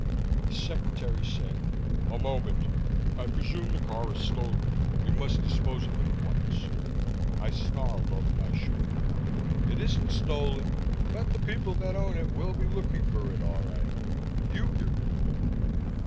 The secretary said, "A moment. I presume the car is stolen. You must dispose of it at once." I snarled over my shoulder, "It isn't stolen, but the people that own it will be looking for it all right. You get rid of it."